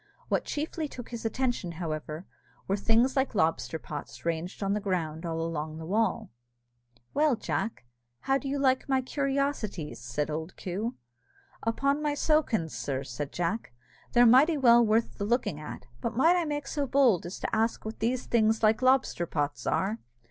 What chiefly took his attention, however, were things like lobster pots ranged on the ground along the wall. "Well, Jack, how do you like my curiosities?" said old Coo. "Upon my sowkins, sir," said Jack, "they're mighty well worth the looking at; but might I make so bold as to ask what these things like lobster pots are?"